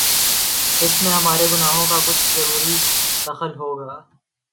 اس میں ہمارے گناہوں کا کچھ ضرور دخل ہو گا۔